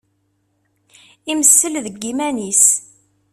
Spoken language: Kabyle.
Imessel deg yiman-is.